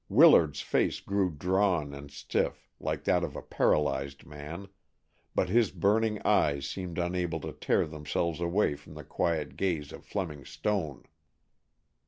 Willard's face grew drawn and stiff, like that of a paralyzed man, but his burning eyes seemed unable to tear themselves away from the quiet gaze of Fleming Stone.